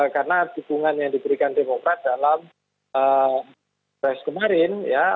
karena dukungan yang diberikan demokrat dalam pres kemarin ya